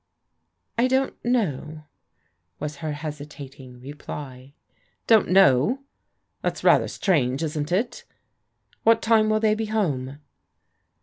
"I don't how," was her hesitating reply. " Don't know ?_ That's rather strange, isn't it ? What time will they be home?